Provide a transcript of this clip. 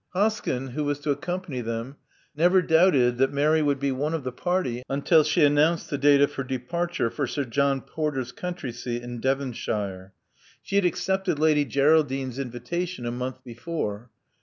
Hoskyn, who was to accompany them, never doubted that Mary would be one of the party until she announced the date of her departure for Sir John Porter's country seat in Devonshire. She had accepted Lady Geraldine's invitation a month before.